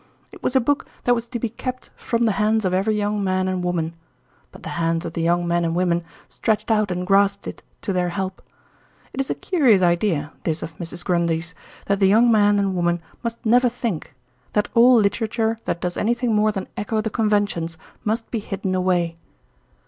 It was a book that was to be kept from the hands of every young man and woman. But the hands of the young men and women stretched out and grasped it, to their help. It is a curious idea, this of Mrs. Grundy's, that the young man and woman must never think—that all literature that does anything more than echo the conventions must be hidden away.